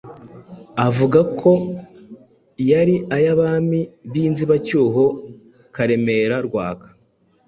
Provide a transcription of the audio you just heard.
avuga ko yari ay'abami b'inzibacyuho Karemera Rwaka